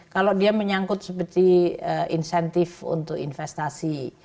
kalau dia menyangkut seperti insentif untuk investasi